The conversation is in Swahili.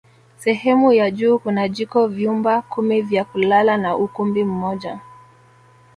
Sehemu ya juu kuna jiko vyumba kumi vya kulala na ukumbi mmoja